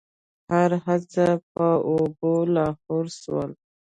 هرڅه په اوبو لاهو سول.